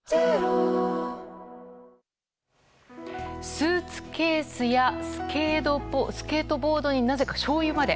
スーツケースやスケートボードになぜかしょうゆまで。